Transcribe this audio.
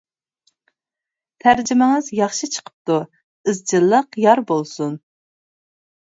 تەرجىمىڭىز ياخشى چىقىپتۇ، ئىزچىللىق يار بولسۇن!